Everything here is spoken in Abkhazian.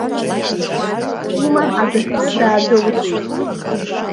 Иман адәахьы даадәылҵит.